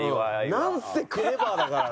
なんせクレバーだからな。